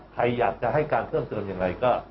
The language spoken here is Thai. ใครอยากจะให้การเพิ่มเติมอย่างไรก็